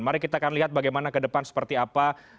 mari kita akan lihat bagaimana ke depan seperti apa